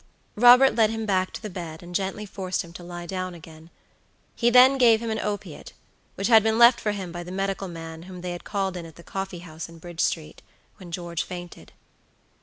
Robert led him back to the bed, and gently forced him to lie down again. He then gave him an opiate, which had been left for him by the medical man whom they had called in at the coffee house in Bridge street, when George fainted.